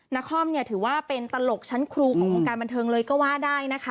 นครเนี่ยถือว่าเป็นตลกชั้นครูของวงการบันเทิงเลยก็ว่าได้นะคะ